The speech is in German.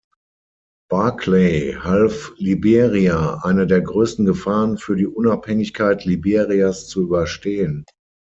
Barclay half Liberia eine der größten Gefahren für die Unabhängigkeit Liberias zu überstehen.